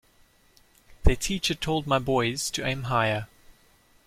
Their teacher told my boys to aim higher.